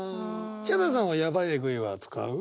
ヒャダさんは「ヤバい」「エグい」は使う？